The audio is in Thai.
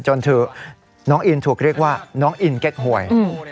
น้องอินถูกเรียกว่าน้องอินเก็ตหวย